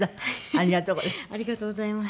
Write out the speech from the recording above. ありがとうございます。